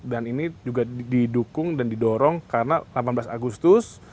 dan ini juga didukung dan didorong karena delapan belas agustus